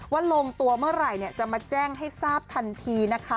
ลงตัวเมื่อไหร่จะมาแจ้งให้ทราบทันทีนะคะ